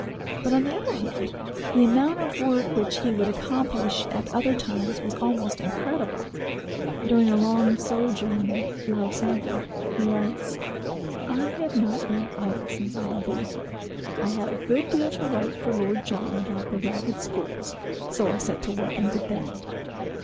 But, on the other hand, the amount of work which he would accomplish at other times was almost incredible. During a long sojourn at Lausanne he writes: "I have not been idle since I have been here. I had a good deal to write for Lord John about the ragged schools; so I set to work and did that.